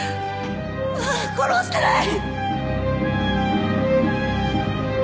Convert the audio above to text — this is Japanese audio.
ああっ殺してない！